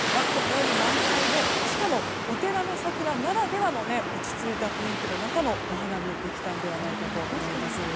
このように満開でしかもお寺の桜ならではの落ち着いた雰囲気の中でのお花見ができたのではないかと思います。